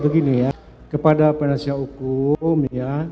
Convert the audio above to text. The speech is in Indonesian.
begini ya kepada penasihat hukum ya